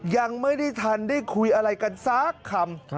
ยังไม่ได้ทันได้คุยอะไรกันสักคำ